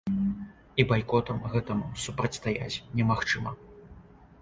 І байкотам гэтаму супрацьстаяць немагчыма.